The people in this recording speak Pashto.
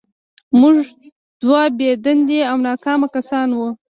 موږ دوه بې دندې او ناکام کسان وو